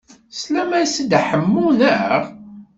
Teslam-as i Dda Ḥemmu, naɣ?